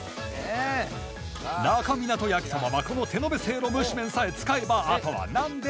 那珂湊焼きそばはこの手延べせいろ蒸し麺さえ使えばあとは何でもあり！